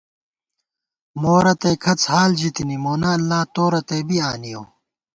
مورتَئ کھڅ حال ژِتِنی ، مونہ اللہ تو رتئ بی آنِیَؤ